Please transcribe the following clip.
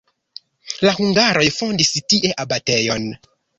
La hungaroj fondis tie abatejon.